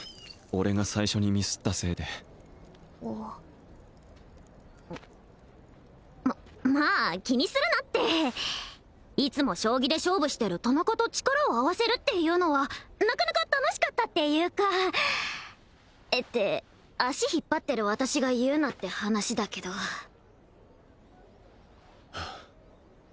俺が最初にミスったせいでままあ気にするなっていつも将棋で勝負してる田中と力を合わせるっていうのはなかなか楽しかったっていうかって足引っ張ってる私が言うなって話だけどふう